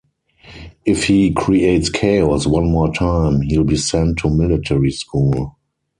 If he creates chaos one more time, he'll be sent to military school.